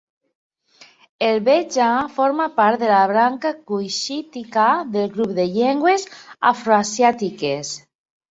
El beja forma part de la branca cuixítica del grup de llengües afroasiàtiques.